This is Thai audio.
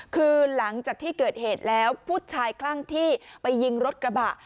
คือหลังจากที่เกิดเหตุแล้วผู้ชายคลั่งที่ไปยิงรถกระบะ